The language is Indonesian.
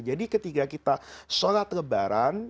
jadi ketika kita sholat lebaran